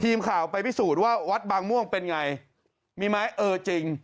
ทีมข่าวไปพิสูจน์ว่าวัดบางม่วงเป็นไงมีไหมเออจริง